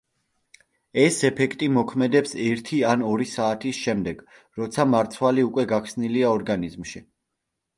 ეს ეფექტი მოქმედებს ერთი ან ორი საათის შემდეგ როცა მარცვალი უკვე გახსნილია ორგანიზმში.